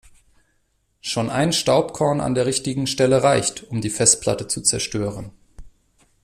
Schon ein Staubkorn an der richtigen Stelle reicht, um die Festplatte zu zerstören.